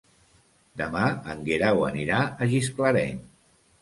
Demà en Guerau anirà a Gisclareny.